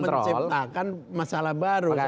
tapi kan malah menciptakan masalah baru